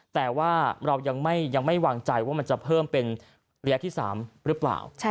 แต่ว่าเรายังไม่วางใจว่ามันจะเพิ่มเป็นระยะที่๓หรือเปล่า